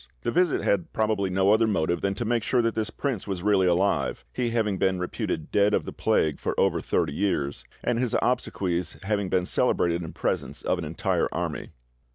This visit had probably no other motive than to make sure that this prince was really alive, he having been reputed dead of the plague for over thirty years, and his obsequies having been celebrated in presence of an entire army.